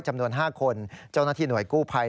จำนวน๕คนเจ้าหน้าที่หน่วยกู้ภัย